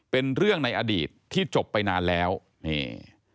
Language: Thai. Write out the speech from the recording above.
เป็นเรื่องในอดีตที่จบไปนานแล้วนี่